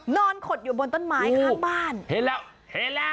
นอนขดอยู่บนต้นไม้ข้างบ้าน